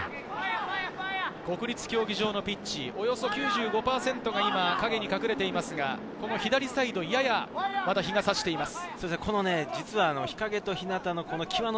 国立競技場のピッチ、およそ９５％が陰に隠れていますが、左サイドやや日が差しています。